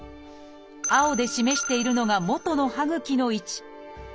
青で示しているのがもとの歯ぐきの位置。